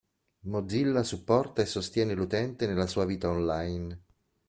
Mozilla supporta e sostiene l'utente nella sua vita online.